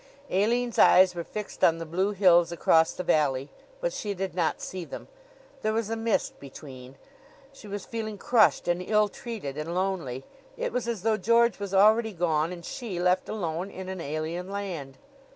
Aline's eyes were fixed on the blue hills across the valley, but she did not see them. There was a mist between. She was feeling crushed and ill treated and lonely. It was as though George was already gone and she left alone in an alien land.